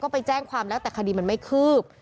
ไปแจ้งความแล้วแต่คดีมันไม่คืบ